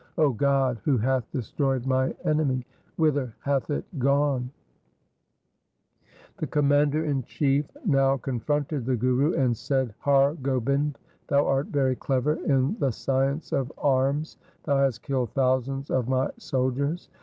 ' O God, who hath destroyed mine army ? whither hath it gone ?' The Commander in chief now confronted the Guru and said, ' Har Gobind, thou art very clever in the science of arms. Thou hast killed thousands of my soldiers.